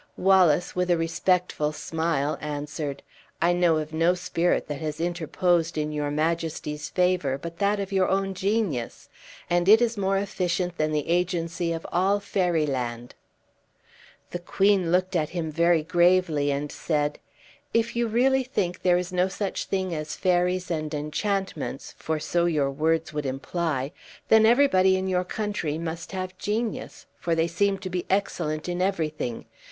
Wallace, with a respectful smile, answered, "I know of now spirit that has interposed in your majesty's favor but that of your own genius; and it is more efficient than the agency of all fairy land." The queen looked at him very gravely, and said, "If you really think there are no such things as fairies and enchantments, for so your words would imply, then everybody in your country must have genius, for they seem to be excellent in everything.